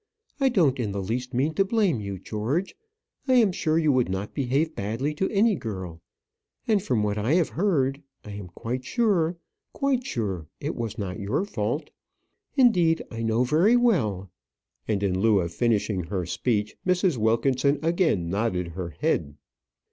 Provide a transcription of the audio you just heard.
I don't in the least mean to blame you, George. I am sure you would not behave badly to any girl and, from what I have heard, I am quite sure quite sure it was not your fault. Indeed, I know very well " and in lieu of finishing her speech, Mrs. Wilkinson again nodded her head.